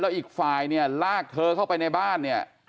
อีกฝ่ายเนี่ยลากเธอเข้าไปในบ้านเนี่ย